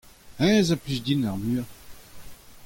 hennezh eo a blij din ar muiañ.